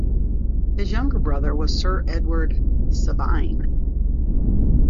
His younger brother was Sir Edward Sabine.